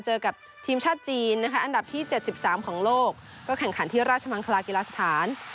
เจอกับทีมชาติจีนนะคะอันดับที่๗๓ของโลกก็แข่งขันที่ราชมังคลากีฬาสถาน